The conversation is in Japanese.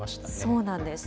そうなんです。